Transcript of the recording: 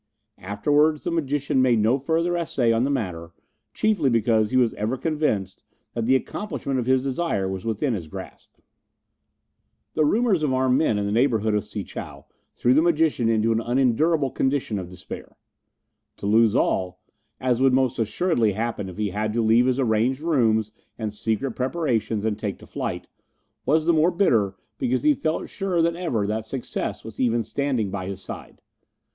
Afterwards the magician made no further essay in the matter, chiefly because he was ever convinced that the accomplishment of his desire was within his grasp. The rumours of armed men in the neighbourhood of Si chow threw the magician into an unendurable condition of despair. To lose all, as would most assuredly happen if he had to leave his arranged rooms and secret preparations and take to flight, was the more bitter because he felt surer than ever that success was even standing by his side.